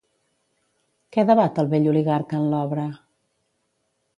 Què debat el Vell Oligarca en l'obra?